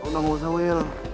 gak usah weel